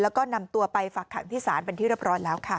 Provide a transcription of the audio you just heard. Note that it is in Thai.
แล้วก็นำตัวไปฝักขังที่ศาลเป็นที่เรียบร้อยแล้วค่ะ